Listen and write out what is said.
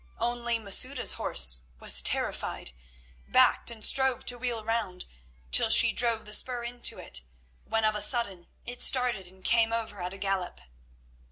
Only Masouda's horse was terrified, backed, and strove to wheel round, till she drove the spur into it, when of a sudden it started and came over at a gallop.